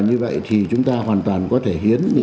và như vậy thì chúng ta hoàn toàn có thể hiến những